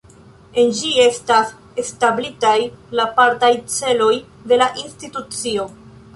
En ĝi estas establitaj la apartaj celoj de la institucio.